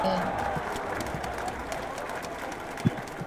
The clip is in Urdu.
بھکاریوں کے پاس کیا چوائس ہوتی ہے؟